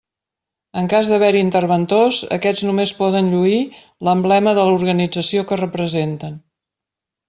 En cas d'haver-hi interventors, aquests només poden lluir l'emblema de l'organització que representen.